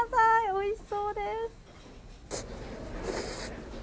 おいしそうです。